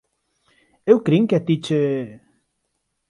Eu crin que a ti che...